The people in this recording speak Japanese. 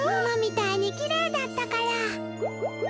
ママみたいにきれいだったから。